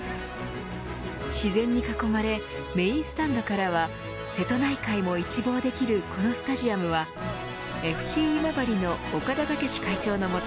自然に囲まれメーンスタンドからは瀬戸内海も一望できるこのスタジアムはＦＣ今治の岡田武史会長の下